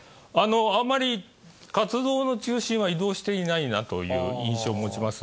あまり活動の中心は移動していないなという印象を持ちます。